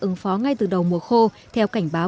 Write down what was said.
ứng phó ngay từ đầu mùa khô theo cảnh báo